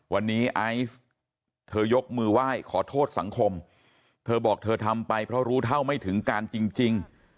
วันนี้ไอซ์เธอยกมือไหว้ขอโทษสังคมเธอบอกเธอทำไปเพราะรู้เท่าไม่ถึงการจริง